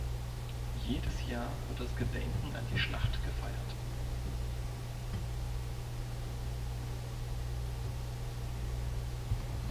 Jedes Jahr wird das Gedenken an die Schlacht gefeiert.